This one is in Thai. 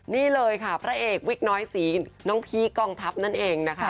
นี่เลยค่ะพระเอกวิกน้อยสีน้องพีคกองทัพนั่นเองนะคะ